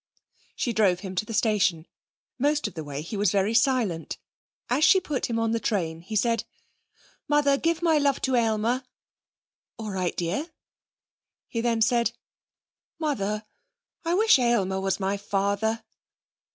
She drove him to the station. Most of the way he was very silent As she put him in the train he said. 'Mother, give my love to Aylmer.' 'All right, dear.' He then said: 'Mother, I wish Aylmer was my father.'